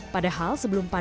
padahal sebelum kemarin